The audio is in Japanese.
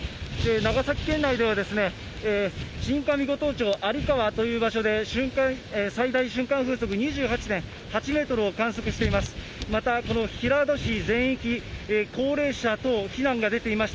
長崎県内では、新上五島町有川という場所で最大瞬間風速２８．８メートルを観測しています。